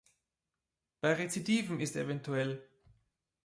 Bei Rezidiven ist evtl.